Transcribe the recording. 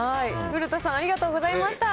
古田さん、ありがとうございました。